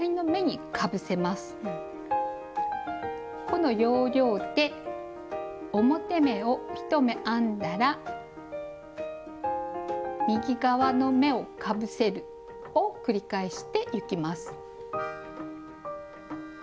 この要領で表目を１目編んだら右側の目をかぶせるを繰り返していきます。